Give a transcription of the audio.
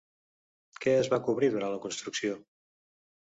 Què es va cobrir durant la construcció?